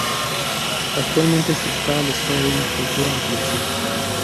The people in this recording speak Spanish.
Actualmente se está a la espera de una futura ampliación.